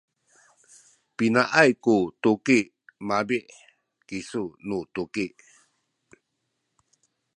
pinaay ku tuki mabi’ kisu tu labi?